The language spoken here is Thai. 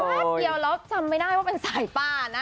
แป๊บเดียวแล้วจำไม่ได้ว่าเป็นสายป้านะ